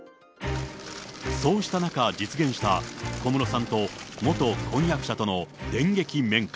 そうした中、実現した、小室さんと元婚約者との電撃面会。